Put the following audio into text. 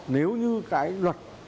nếu như cái luật